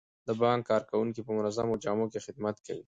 د بانک کارکوونکي په منظمو جامو کې خدمت کوي.